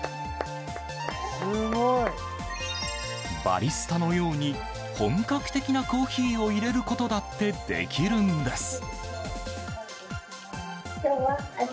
バリスタのように本格的なコーヒーを入れることだってできるんです。